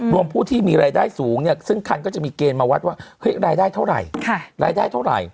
รวมผู้ที่มีรายได้สูงเนี่ยซึ่งคันก็จะมีเกณฑ์มาวัดว่ารายได้เท่าไหร่